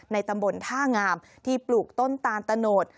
ตำบลท่างามที่ปลูกต้นตาลตะโนด